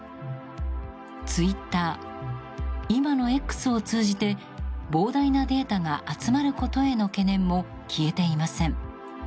ツイッター、今のＸを通じて膨大なデータが集まることへの懸念も消えていません。